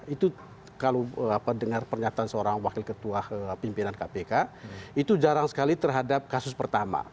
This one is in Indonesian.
itu kalau dengar pernyataan seorang wakil ketua pimpinan kpk itu jarang sekali terhadap kasus pertama